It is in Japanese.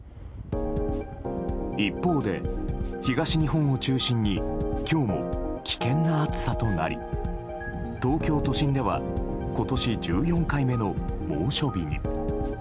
一方で、東日本を中心に今日も危険な暑さとなり東京都心では今年１４回目の猛暑日に。